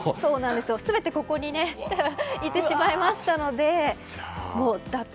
全てここにいってしまいましたので打倒・